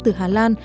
từ hà lan